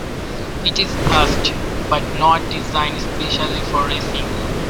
It is fast, but not designed specifically for racing.